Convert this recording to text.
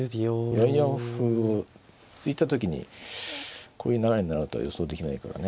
４四歩を突いた時にこういう流れになるとは予想できないからね。